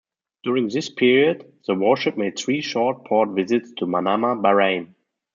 During this period, the warship made three short port visits to Manama, Bahrain.